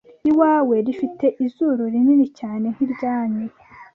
Iwawe rifite izuru rinini cyane nkiryanyu